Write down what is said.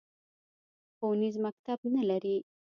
ښوونیز مکتب نه لري